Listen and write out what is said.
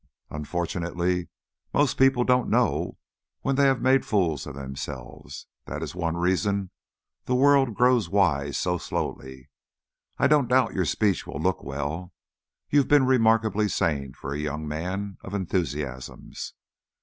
"Unfortunately most people don't know when they have made fools of themselves; that is one reason the world grows wise so slowly. I don't doubt your speech will look well. You've been remarkably sane for a young man of enthusiasms.